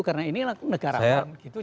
karena ini negarawan